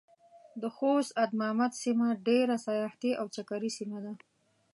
د خوست ادمامد سيمه ډېره سياحتي او چکري سيمه ده.